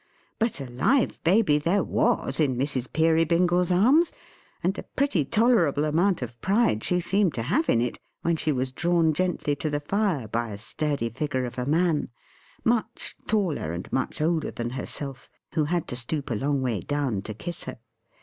But a live Baby there was, in Mrs. Peerybingle's arms; and a pretty tolerable amount of pride she seemed to have in it, when she was drawn gently to the fire, by a sturdy figure of a man, much taller and much older than herself; who had to stoop a long way down, to kiss her.